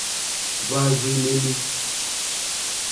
Hwá rzí lélí.